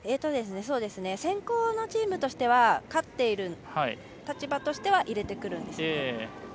先攻のチームとしては勝っている立場としては入れてくるんですね。